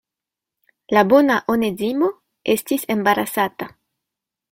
La bona Onezimo estis embarasata.